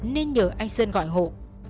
nên nhờ anh sơn gọi hộ